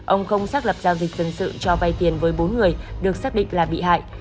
ông không xác lập giao dịch dân sự cho vay tiền với bốn người được xác định là bị hại